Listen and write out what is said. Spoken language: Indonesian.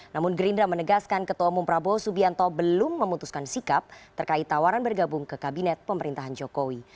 namun gerindra menegaskan ketua umum prabowo subianto belum memutuskan sikap terkait tawaran bergabung ke kabinet pemerintahan jokowi